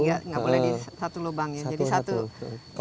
nggak boleh satu lubang ya